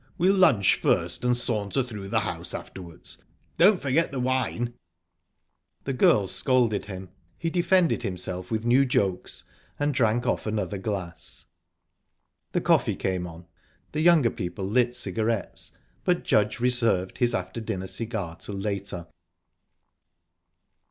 We'll lunch first, and saunter through the house afterwards. Don't forget the wine." The girls scolded him; he defended himself with new jokes and drank off another glass. The coffee came on. The younger people lit cigarettes, but Judge reserved his after dinner cigar till later.